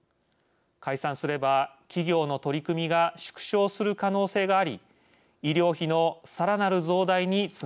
解散すれば企業の取り組みが縮小する可能性があり医療費のさらなる増大につながりかねません。